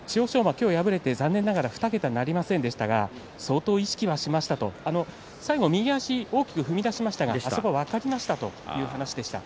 今日敗れて残念ながら２桁なりませんでしたが相当意識はしましたと最後、右足を大きく踏み出しましたがそこは分かりましたという話でした。。